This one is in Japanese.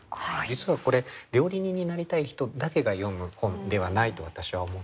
実はこれ料理人になりたい人だけが読む本ではないと私は思っていて。